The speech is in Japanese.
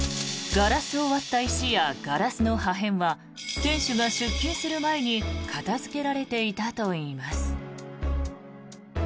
ガラスを割った石やガラスの破片は店主が出勤する前に片付けられていたといいます。